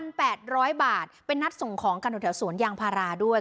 แปดร้อยบาทเป็นนัดส่งของกันแถวสวนยางพาราด้วย